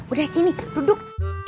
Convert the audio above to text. udah sini duduk